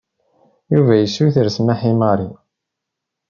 Yuba yessuter smeḥ i Mary.